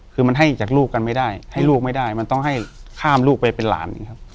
คือมันให้จากลูกกันไม่ได้ให้ลูกไม่ได้มันต้องให้ข้ามลูกไปเป็นหลานอย่างนี้ครับ